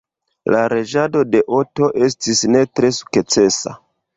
La reĝado de Otto estis ne tre sukcesa.